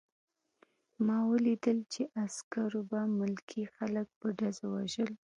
ما ولیدل چې عسکرو به ملکي خلک په ډزو وژل